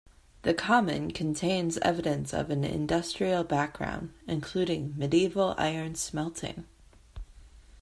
The Common contains evidence of an industrial background, including medieval iron smelting.